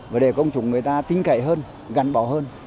và để công chủng người ta tinh cậy hơn gắn bỏ hơn